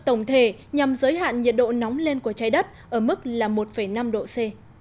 tổng thể nhằm giới hạn nhiệt độ nóng lên của trái đất ở mức là một năm độ c